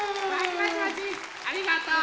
ありがとう！